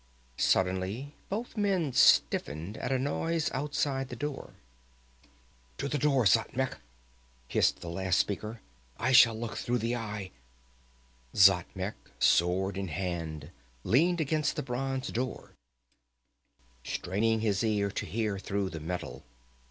Suddenly both men stiffened at a noise outside the door. "To the door, Xatmec!" hissed the last speaker. "I shall look through the Eye " Xatmec, sword in hand, leaned against the bronze door, straining his ear to hear through the metal.